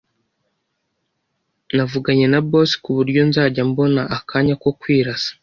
navuganye na bosi ku buryo nzajya mbona akanya ko kwirasa